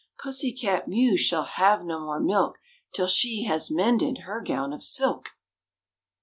Pussy cat Mew shall have no more milk Till she has mended her gown of silk.